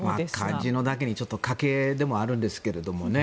カジノだけに、ちょっと賭けでもあるんですけどね。